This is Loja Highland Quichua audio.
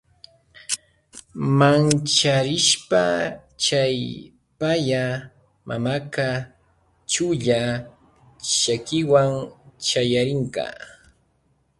Mancharishpa chay paya mamaka chulla chakiwan chayarirka.